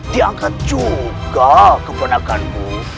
diangkat juga kebenakanmu